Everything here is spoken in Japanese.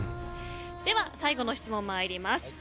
では、最後の質問まいります。